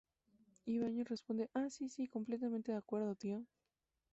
Ibáñez responde "¡Ah, sí, sí, completamente de acuerdo, tío!".